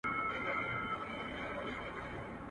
په حيرت وکړه قاضي ترېنه پوښتنه.